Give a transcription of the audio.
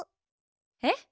えっ？